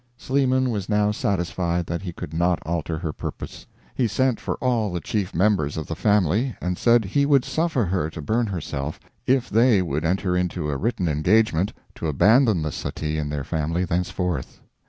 Sleeman was now satisfied that he could not alter her purpose. He sent for all the chief members of the family and said he would suffer her to burn herself if they would enter into a written engagement to abandon the suttee in their family thenceforth.